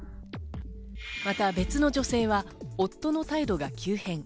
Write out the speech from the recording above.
また別の女性は夫の態度が急変。